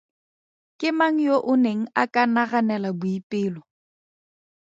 Ke mang yo o neng a ka naganela Boipelo?